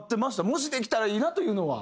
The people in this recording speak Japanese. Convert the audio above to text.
もしできたらいいなというのは。